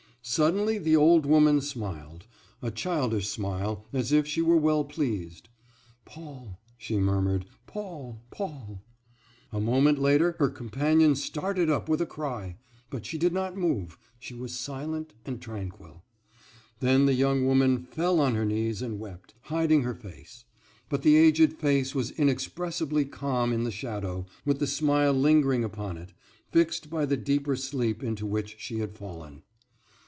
Suddenly the old woman smiled, a childish smile, as if she were well pleased. "Paul," she murmured, "Paul, Paul." A moment later her companion started up with a cry; but she did not move, she was silent and tranquil. Then the young woman fell on her knees and wept, hiding her face. But the aged face was inexpressibly calm in the shadow, with the smile lingering upon it, fixed by the deeper sleep into which she had fallen.